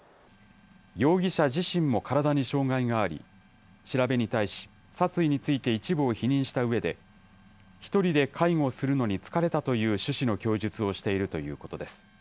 容疑者自身も体に障害があり、調べに対し、殺意について一部を否認したうえで、１人で介護するのに疲れたという趣旨の供述をしているということです。